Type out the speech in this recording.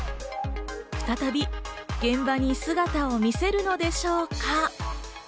再び現場に姿を見せるのでしょうか？